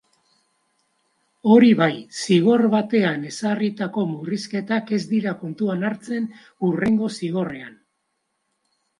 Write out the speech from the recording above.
Hori bai, zigor batean ezarritako murrizketak ez dira kontuan hartzen hurrengo zigorrean.